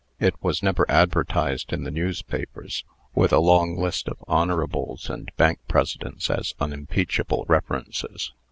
It was never advertised in the newspapers, with a long list of "Hons." and bank presidents as unimpeachable references.